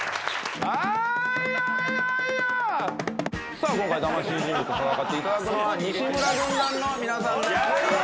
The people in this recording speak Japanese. さあ今回魂チームと戦っていただくのは西村軍団の皆さんです。